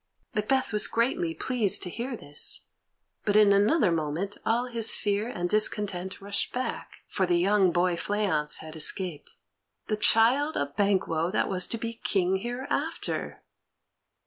Macbeth was greatly pleased to hear this, but in another moment all his fear and discontent rushed back, for the young boy Fleance had escaped. The child of Banquo that was to be King hereafter!